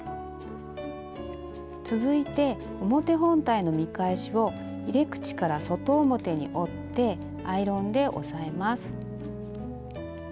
続いて表本体の見返しを入れ口から外表に折ってアイロンで押さえます。